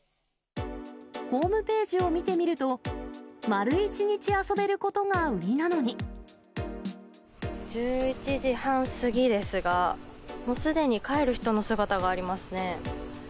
ホームページを見てみると、１１時半過ぎですが、もうすでに帰る人の姿がありますね。